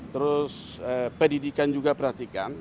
terus pendidikan juga perhatikan